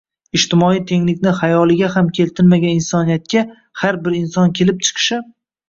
Ijtimoiy tenglikni xayoliga ham keltirmagan insoniyatga “har bir inson kelib chiqishi